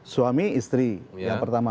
suami istri yang pertama